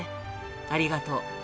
ありがとう。